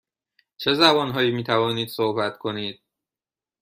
چه زبان هایی می توانید صحبت کنید؟